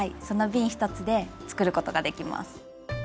そのびん１つで作ることができます。